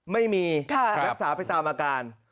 ไม่มีรักษาไปตามอาการ